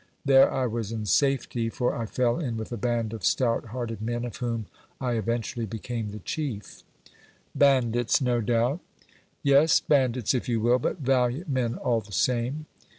There I was in safety, for I fell in with a band of stout hearted men, of whom I eventually became the chief." "Bandits, no doubt!" "Yes, bandits, if you will, but valiant men all the same.